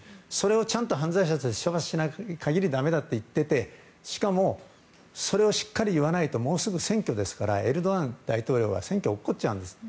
ちゃんと犯罪者たちを処罰しない限りだめだと言っていてしかもそれをしっかり言わないともうすぐ選挙ですからエルドアン大統領は選挙に落っこちちゃうんです。